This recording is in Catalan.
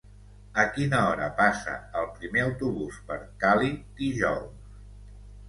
A quina hora passa el primer autobús per Càlig dijous?